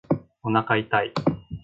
おなか痛い